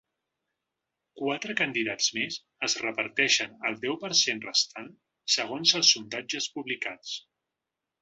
Quatre candidats més es reparteixen el deu per cent restant, segons els sondatges publicats.